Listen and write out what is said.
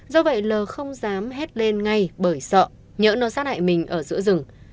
do vậy l không dám hét lên ngay bởi sợ nhỡ nó sát hại mình ở giữa rừng